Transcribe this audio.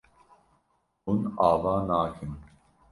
Hûn ava nakin.